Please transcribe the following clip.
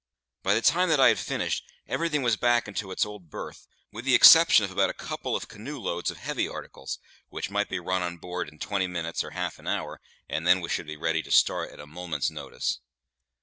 By the time that I had finished, everything was back into its old berth, with the exception of about a couple of canoe loads of heavy articles, which might be run on board in twenty minutes or half an hour, and then we should be ready to start at a moment's notice.